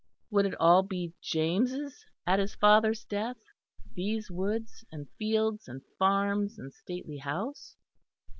Would it all be James' at his father's death, these woods and fields and farms and stately house?